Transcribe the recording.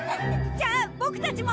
じゃあボクたちも！